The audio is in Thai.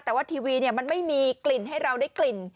แต่ว่าทีวีมันไม่มีกลิ่นให้เราได้กลิ่น